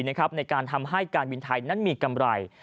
ในการทำให้การบินไทยนั้นมีกำไร